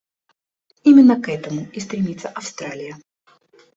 Именно к этому и стремится Австралия.